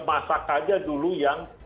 masak saja dulu yang